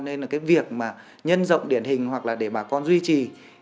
nên là cái việc mà nhân rộng điển hình hoặc là để bà con duy trì